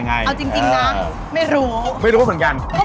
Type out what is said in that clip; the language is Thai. เอ้าจริงไม่รู้